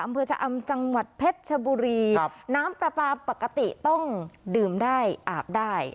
อำเภอชะอำจังหวัดเพชรชบุรีน้ำปลาปลาปกติต้องดื่มได้อาบได้